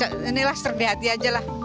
ya pokoknya inilah serbi hati aja lah